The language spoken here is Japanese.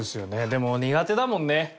でも苦手だもんね。